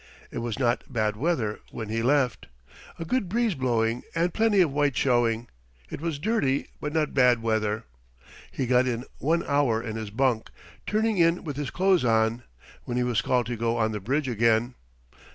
It was not bad weather when he left a good breeze blowing and plenty of white showing. It was dirty, but not bad weather. He got in one hour in his bunk, turning in with his clothes on, when he was called to go on the bridge again.